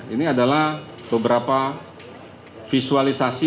ini adalah beberapa visualisasi